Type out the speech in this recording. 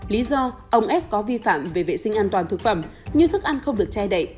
lý do ông s có vi phạm về vệ sinh an toàn thực phẩm như thức ăn không được che đậy